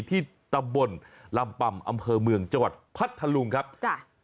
ที่ตำบลลำปำอำเภอเมืองจังหวัดพัทธลุงครับจ้ะ